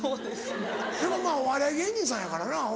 でもお笑い芸人さんやからな。